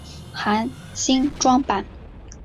含新装版。